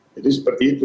jadi seperti itu